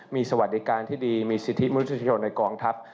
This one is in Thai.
มีสวัสดิการที่ดีมีสิทธิมนุษยชนในกองทัพ